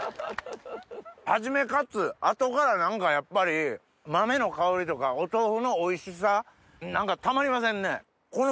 初めカツ後から何かやっぱり豆の香りとかお豆腐のおいしさ何かたまりませんね！